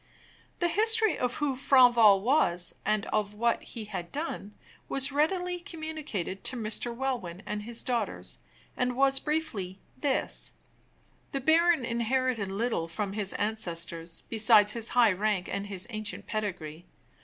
The history of who Franval was, and of what he had done, was readily communicated to Mr. Welwyn and his daughters, and was briefly this: The baron inherited little from his ancestors besides his high rank and his ancient pedigree.